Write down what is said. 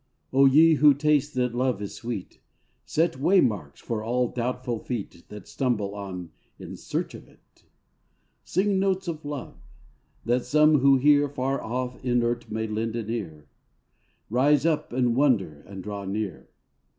O ye who taste that love is sweet, Set waymarks for all doubtful feet That stumble on in search of it. Sing notes of love ; that some who hear Far off inert may lend an ear, Rise up and wonder and draw near.